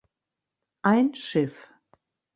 Ein Schiff.